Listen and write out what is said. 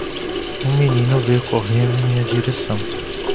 Um menino veio correndo em minha direção.